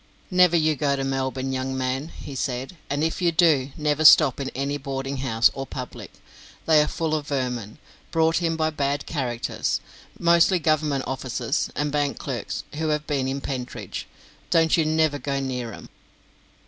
"Never you go to Melbourne, young man," he said, "and if you do, never stop in any boarding house, or public. They are full of vermin, brought in by bad characters, mostly Government officers and bank clerks, who have been in Pentridge. Don't you never go near 'em."